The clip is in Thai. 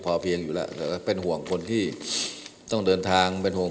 พอเพียงอยู่แล้วแต่ก็เป็นห่วงคนที่ต้องเดินทางเป็นห่วง